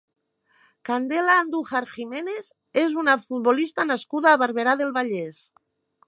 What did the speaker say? Candela Andújar Jiménez és una futbolista nascuda a Barberà del Vallès.